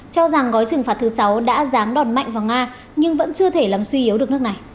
cho rằng gói trừng phạt thứ sáu đã ráng đòn mạnh vào nga nhưng vẫn chưa thể làm suy yếu được nước này